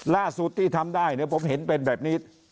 ล่าสุดที่ทำได้เนี่ยผมเห็นเป็นแบบนี้